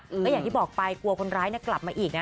ก็อย่างที่บอกไปกลัวคนร้ายกลับมาอีกนะ